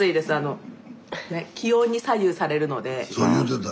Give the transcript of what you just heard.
そう言うてた。